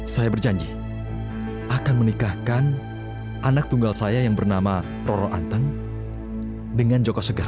saya berjanji akan menikahkan anak tunggal saya yang bernama roro anteng dengan joko segar